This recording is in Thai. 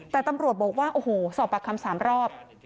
แต่ตำรวจบอกว่าโอ้โหสอบปากคำ๓รอบ